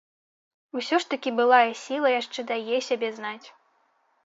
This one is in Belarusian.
Усё ж такі былая сіла яшчэ дае сябе знаць.